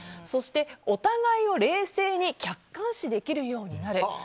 そして、お互いを冷静に客観視できるようになる。